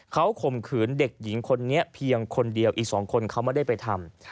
เขาข่มขืนเด็กหญิงคนนี้เพียงคนเดียวอีก๒คนเขาไม่ได้ไปทำ